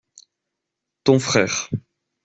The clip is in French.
Ton frère.